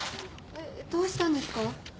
どうしたんですか？